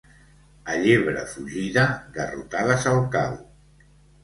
A llebre fugida, garrotades al cau.